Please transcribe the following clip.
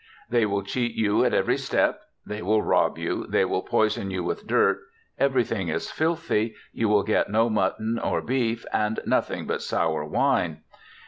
' They will cheat you at every step ; they will rob you ; they will poison you with dirt ; everything is filthy ; you will get no mutton or beet, and nothing but sour wine.'